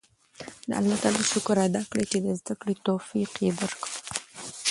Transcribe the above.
د الله تعالی شکر ادا کړئ چې د زده کړې توفیق یې درکړ.